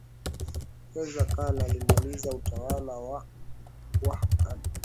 Reza Khan alimaliza utawala wa Wakhadjari akaanzisha nasaba